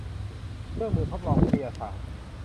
เครื่องมือทดลองวิทยาศาสตร์